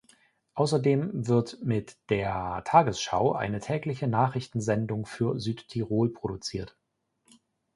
Außerdem wird mit der Tagesschau eine tägliche Nachrichtensendung für Südtirol produziert.